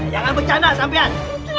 jangan bercanda sampian